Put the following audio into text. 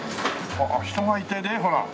あっ人がいてねほら。